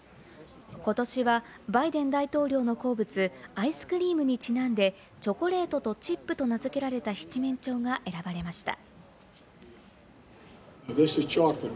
今年はバイデン大統領の好物、アイスクリームにちなんでチョコレートとチップと名付けられた七面鳥が選ばれました。